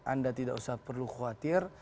anda tidak usah perlu khawatir